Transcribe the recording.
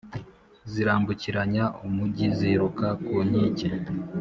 Zirambukiranya umugi ziruka ku nkike